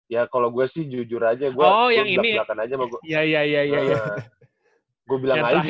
ya kalau gue sih jujur aja gue belakang belakang aja sama gue